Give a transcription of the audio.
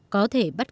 có thể bắt đầu